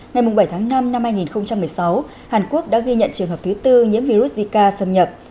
ngày bảy tháng năm năm hai nghìn một mươi sáu hàn quốc đã ghi nhận trường hợp thứ bốn nhiễm virus zika xâm nhập